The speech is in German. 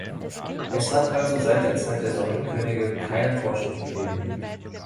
Es hat also seit der Zeit der Sonnenkönige keinen Fortschritt gegeben.